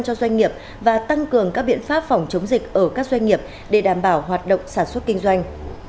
cho doanh nghiệp và tăng cường các biện pháp phòng chống dịch ở các doanh nghiệp để đảm bảo hoạt động sản xuất kinh doanh